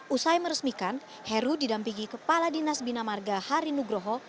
usai meresmikan heru didampingi kepala dinas bina marga hari nugroho